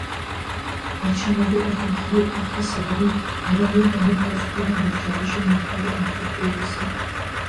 არჩევნები ერთი მხრივ, გახდა საბაბი ეროვნულ-განმათავისუფლებელ მოძრაობაში მომხდარი განხეთქილებისა.